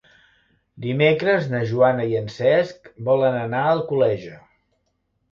Dimecres na Joana i en Cesc volen anar a Alcoleja.